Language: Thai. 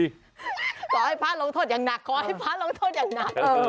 ขอให้พระลงโทษอย่างหนักขอให้ฟ้าลงโทษอย่างหนัก